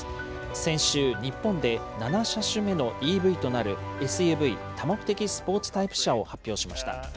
先週、日本で７車種目のＥＶとなるＳＵＶ・多目的スポーツタイプ車を発表しました。